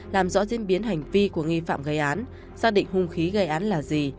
làm rõ diễn biến hành vi của nghi phạm gây án xác định hung khí gây án là gì